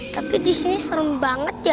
tapi di sini serem banget ya